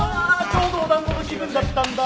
ちょうどお団子の気分だったんだ！